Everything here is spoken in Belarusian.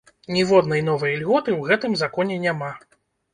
Ніводнай новай ільготы ў гэтым законе няма.